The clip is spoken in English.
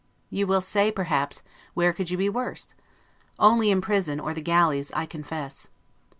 You will say, perhaps, where could you be worse? Only in prison, or the galleys, I confess.